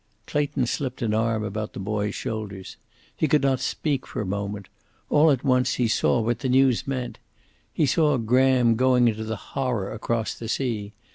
Clayton slipped an arm about the boy's shoulders. He could not speak for a moment. All at once he saw what the news meant. He saw Graham going into the horror across the sea.